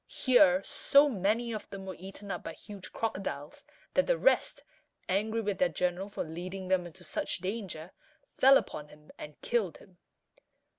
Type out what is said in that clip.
Here so many of them were eaten up by huge crocodiles, that the rest, angry with their general for leading them into such danger, fell upon him and killed him.